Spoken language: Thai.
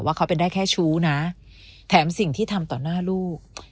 เขาเป็นได้แค่ชู้นะแถมสิ่งที่ทำต่อหน้าลูก